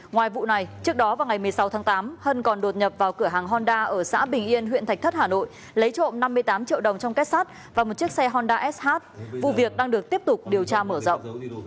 ngoài vụ này trước đó vào ngày một mươi sáu tháng tám hân còn đột nhập vào cửa hàng honda ở xã bình yên huyện thạch thất hà nội lấy trộm năm mươi tám triệu đồng trong kết sát và một chiếc xe honda sh vụ việc đang được tiếp tục điều tra mở rộng